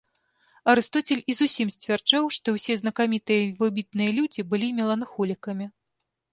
Арыстоцель і зусім сцвярджаў, што ўсе знакамітыя і выбітныя людзі былі меланхолікамі.